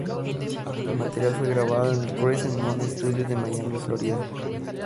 El material fue grabado en el Crescent Moon Studios de Miami, Florida.